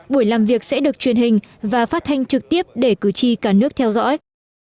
buổi làm việc sẽ được truyền hình và phát thanh trực tiếp để cử tri cả nước theo dõi